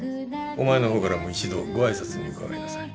お前の方からも一度ご挨拶に伺いなさい。